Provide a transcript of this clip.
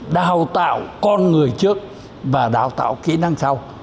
đào tạo con người trước và đào tạo kỹ năng sau